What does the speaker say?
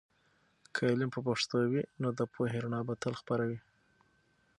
که علم په پښتو وي، نو د پوهې رڼا به تل خپره وي.